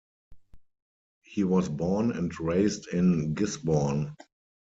He was born and raised in Gisborne.